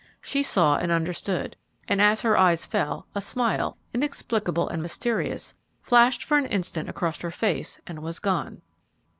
She saw and understood, and, as her eyes fell, a smile, inexplicable and mysterious, flashed for an instant across her face and was gone.